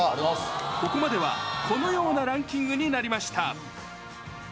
ここまではこのようなランキングになりました。